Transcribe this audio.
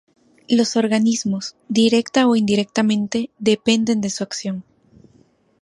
Los organismos, directa o indirectamente, dependen de su acción.